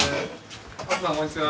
お父さんこんにちは。